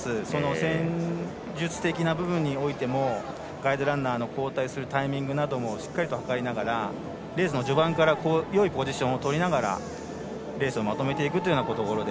戦術的な部分においてもガイドランナーの交代するタイミングなどもしっかりと図りながらレースの序盤からよいポジションをとりながらレースをまとめていくというようなところで。